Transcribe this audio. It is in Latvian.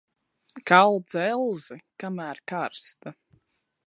Kal dzelzi, kamēr karsta.